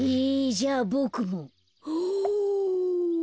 じゃあボクも。すぅ。